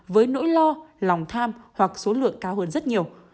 với nỗi lo lòng tham hoặc số lượng cao hơn rất nhiều